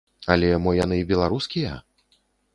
Але мо яны беларускія?